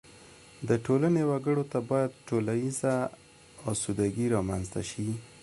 د ټولنې وګړو ته باید ټولیزه اسودګي رامنځته شي.